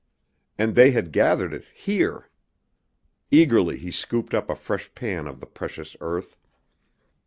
And they had gathered it here! Eagerly he scooped up a fresh pan of the precious earth.